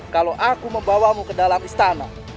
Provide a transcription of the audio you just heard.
kalau aku membawamu ke dalam istana